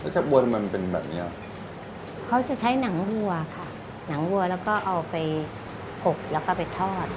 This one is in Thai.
ถ้าบัวมันเป็นแบบเนี้ยเขาจะใช้หนังวัวค่ะหนังวัวแล้วก็เอาไปหกแล้วก็ไปทอด